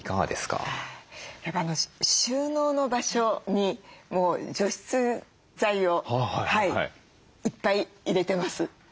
やっぱ収納の場所にもう除湿剤をいっぱい入れてます。